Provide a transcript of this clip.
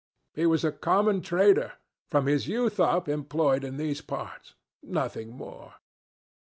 He was a common trader, from his youth up employed in these parts nothing more.